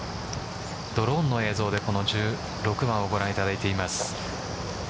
ドローンの映像で１６番をご覧いただいています。